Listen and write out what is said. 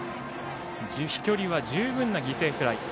飛距離は十分な犠牲フライ。